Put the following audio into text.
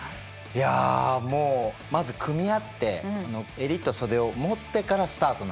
いやもうまず組み合って襟と袖を持ってからスタートなんですね。